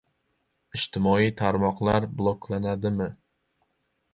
Ijtimoiy tarmoqlar bloklanadimi?